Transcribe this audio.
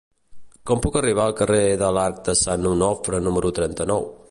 Com puc arribar al carrer de l'Arc de Sant Onofre número trenta-nou?